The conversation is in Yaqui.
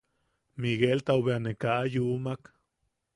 Migueltau bea ne kaa yumak.